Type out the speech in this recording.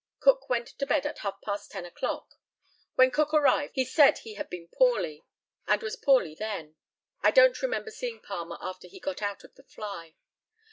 Cook went to bed at half past ten o'clock. When Cook arrived he said he had been poorly, and was poorly then. I don't remember seeing Palmer after he got out of the fly.